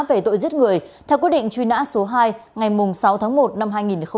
về tội giết người theo quyết định truy nã số hai ngày sáu tháng một năm hai nghìn một mươi bảy